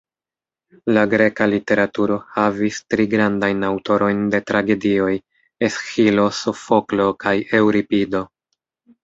La greka literaturo havis tri grandajn aŭtorojn de tragedioj: Esĥilo, Sofoklo kaj Eŭripido.